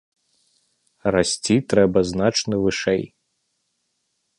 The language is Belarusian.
Расці трэба значна вышэй.